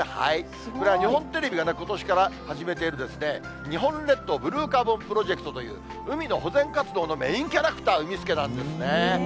これは日本テレビがことしから始めている、日本列島ブルーカーボンプロジェクトという、海の保全活動のメインキャラクター、うみスケなんですね。